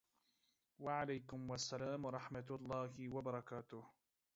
وعلیکم سلام ورحمة الله وبرکاته